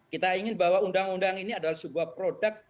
kita ingin bahwa undang undang ini adalah sebuah produk